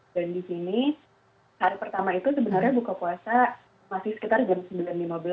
dan di sini hari pertama itu sebenarnya buka puasa masih sekitar jam sembilan lima belas